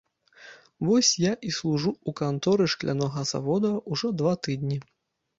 Вось я і служу ў канторы шклянога завода, ужо два тыдні.